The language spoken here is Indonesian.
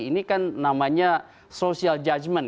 ini kan namanya social judgment